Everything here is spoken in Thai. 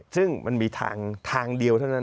ซึ่งมันมีทางเดียวเท่านั้น